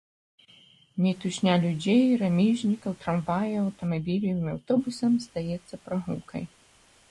Мітусня людзей, рамізнікаў, трамваяў, аўтамабіляў і аўтобусаў здаецца прагулкай.